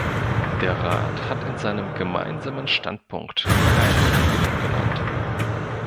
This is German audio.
Der Rat hat in seinem Gemeinsamen Standpunkt keine Regelung genannt.